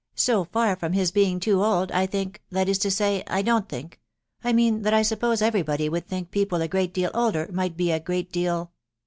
" So far from his being too old, I think .••. that is to say, I don't mink .... I mean that I suppose every body would think people a great deal elder, might be a great deal